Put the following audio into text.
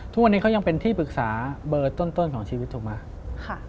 ทุกวันนี้เขายังเป็นที่ปรึกษาเบอร์ต้นของชีวิตถูกไหม